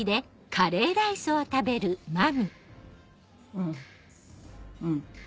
うんうん。